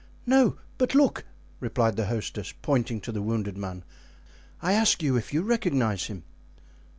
"No, but look," replied the hostess, pointing to the wounded man; "I ask you if you recognize him?"